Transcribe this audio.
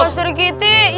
baik baik giti ya